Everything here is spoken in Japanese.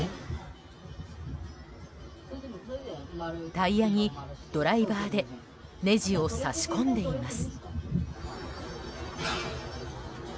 タイヤにドライバーでねじを差し込んでいます。